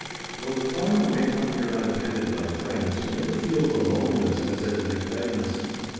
Though the climber may come here unattended by friends, he never feels the loneliness as at Lake Agnes.